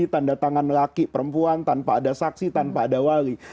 tanda tangan laki perempuan tanpa ada saksi tanpa ada wali